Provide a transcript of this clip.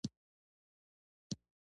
ستا کور کلي ملكيارو کې دی؟